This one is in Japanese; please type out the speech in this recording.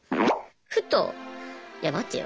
ふといや待てよ